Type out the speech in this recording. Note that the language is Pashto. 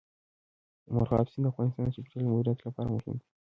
مورغاب سیند د افغانستان د چاپیریال د مدیریت لپاره مهم دي.